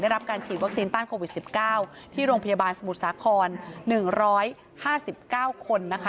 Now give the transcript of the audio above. รับการฉีดวัคซีนต้านโควิด๑๙ที่โรงพยาบาลสมุทรสาคร๑๕๙คนนะคะ